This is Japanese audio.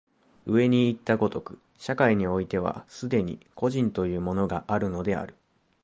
上にいった如く、社会においては既に個人というものがあるのである。